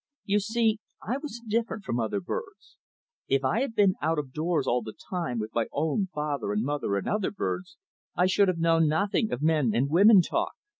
You see, I was different from other birds. If I had been out of doors all the time with my own father and mother and other birds, I should have known nothing of men and women talk.